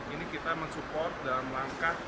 ini kita mensupport dalam langkah